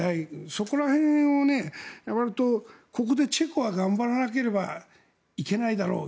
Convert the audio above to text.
そこら辺を、わりとここでチェコが頑張らなければいけないだろう